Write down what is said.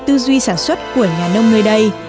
tư duy sản xuất của nhà nông nơi đây